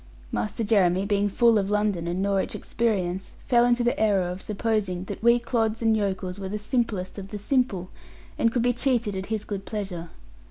Master Jeremy, being full of London and Norwich experience, fell into the error of supposing that we clods and yokels were the simplest of the simple, and could be cheated at his good pleasure.